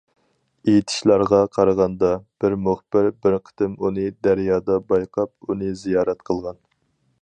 ئېيتىشلارغا قارىغاندا: بىر مۇخبىر بىر قېتىم ئۇنى دەريادا بايقاپ، ئۇنى زىيارەت قىلغان.